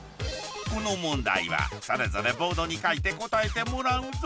この問題はそれぞれボードに書いて答えてもらうぞ。